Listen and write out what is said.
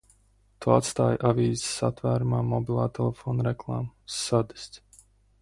Tu atstāji avīzes atvērumā mobilā telefona reklāmu, sadists!